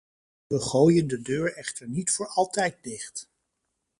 We gooien de deur echter niet voor altijd dicht.